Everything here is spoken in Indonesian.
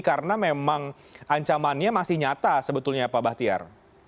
karena memang ancamannya masih nyata sebetulnya pak bahtiar